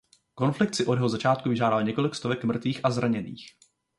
Konflikt si od jeho začátku vyžádal několik stovek mrtvých a zraněných.